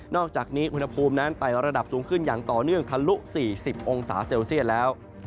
อกจากนี้อุณหภูมินั้นไต่ระดับสูงขึ้นอย่างต่อเนื่องทะลุ๔๐องศาเซลเซียสแล้ว